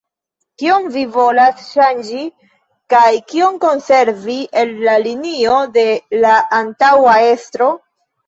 Kion vi volas ŝanĝi kaj kion konservi el la linio de la antaŭa estraro?